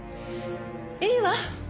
いいわ。